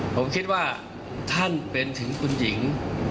ผมคิดว่าท่านเป็นถึงคุณหญิง